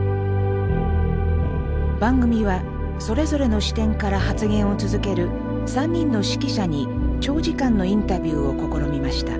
番組はそれぞれの視点から発言を続ける３人の識者に長時間のインタビューを試みました。